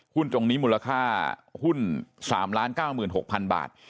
ตรงนี้มูลค่าหุ้น๓๙๖๐๐๐บาท